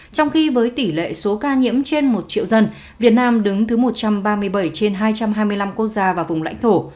trong khi với tỷ lệ số ca nhiễm trên một triệu dân việt nam đứng thứ một trăm ba mươi bảy trên hai trăm hai mươi năm quốc gia và vùng lãnh thổ